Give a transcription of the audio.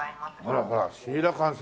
ほらほらシーラカンス